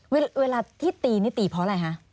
เวลาที่ตีนี่ตีเพราะอะไรคะ